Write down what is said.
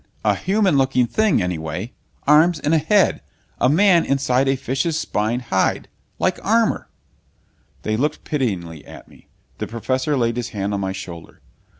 A human looking thing, anyway! Arms and a head! A man inside a fish's spined hide like armor!" They looked pityingly at me. The Professor laid his hand on my shoulder.